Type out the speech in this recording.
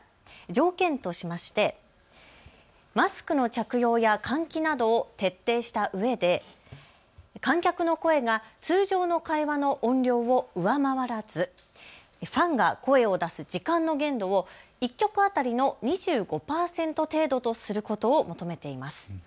条件としましてマスクの着用や換気などを徹底したうえで、観客の声が通常の会話の音量を上回らずファンが声を出す時間の限度を１曲当たりの２５％程度とすることを求めています。